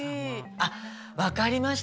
あっわかりました。